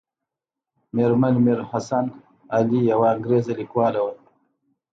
مېرمن میر حسن علي یوه انګریزۍ لیکواله وه.